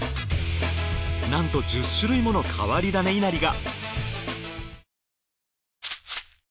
なんと１０種類もの変わり種いなりが。